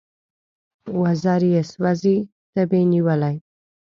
وزر یې سوزي تبې نیولی